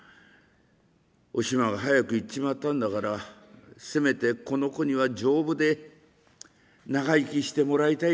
おしまが早く逝っちまったんだからせめてこの子には丈夫で長生きしてもらいたいからね。